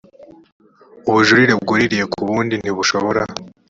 ubujurire bwuririye ku bundi ntibushobora